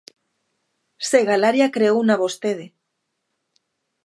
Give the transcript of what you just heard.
¡Se Galaria creouna vostede!